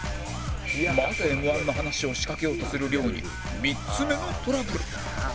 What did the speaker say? まだ Ｍ−１ の話を仕掛けようとする亮に３つ目のトラブル